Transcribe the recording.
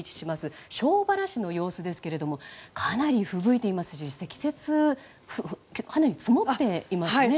庄原市の様子ですがかなりふぶいていますし積雪もかなり積もっていますね。